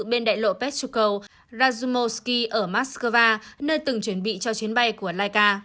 bên đại lộ petruchov razumovsky ở moscow nơi từng chuẩn bị cho chuyến bay của laika